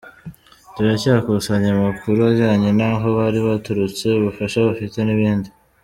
Turacyakusanya amakuru ajyanye n’aho bari baturutse, ubufasha bafite n’ibindi.